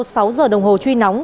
sau sáu giờ đồng hồ truy nóng